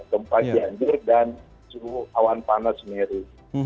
gempa janjur dan suhu awan panas sendiri